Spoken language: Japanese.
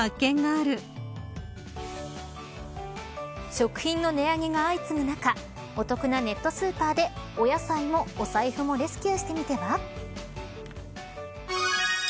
食品の値上げが相次ぐ中お得なネットスーパーでお野菜も財布もレスキューしてみては。